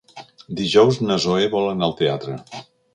Dijous na Zoè vol anar al teatre.